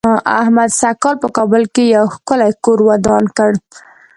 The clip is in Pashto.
احمد سږ کال په کابل کې یو ښکلی کور ودان کړ.